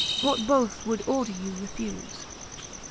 What both would order you refuse.